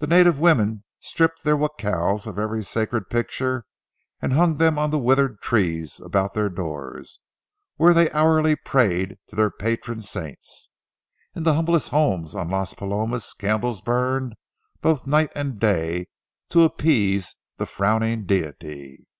The native women stripped their jacals of every sacred picture, and hung them on the withered trees about their doors, where they hourly prayed to their patron saints. In the humblest homes on Las Palomas, candles burned both night and day to appease the frowning Deity.